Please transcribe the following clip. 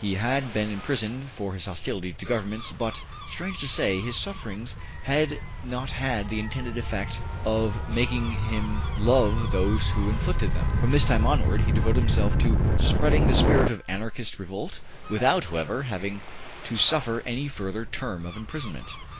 He had been imprisoned for his hostility to governments, but, strange to say, his sufferings had not had the intended effect of making him love those who inflicted them. From this time onward, he devoted himself to spreading the spirit of Anarchist revolt, without, however, having to suffer any further term of imprisonment.